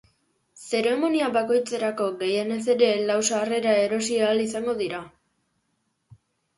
Zeremonia bakoitzerako, gehienez ere, lau sarrera erosi ahal izango dira.